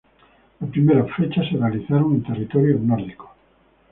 Las primeras fechas se realizaron en territorio nórdico.